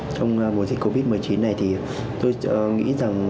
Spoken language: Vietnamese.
trong mùa dịch covid một mươi chín này thì tôi nghĩ rằng